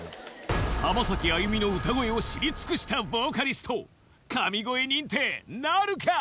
浜崎あゆみの歌声を知り尽くしたボーカリスト神声認定なるか？